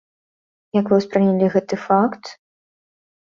Як вы ўспрынялі гэты факт?